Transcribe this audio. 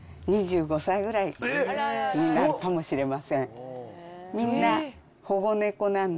２５歳ぐらいになるかもしれません。